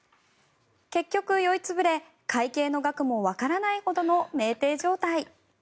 結局、酔い潰れ会計の額もわからないほどの酩酊状態。